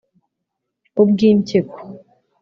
ubw’impyiko